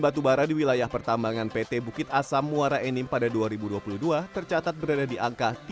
batubara di wilayah pertambangan pt bukit asam muara enim pada dua ribu dua puluh dua tercatat berada di angka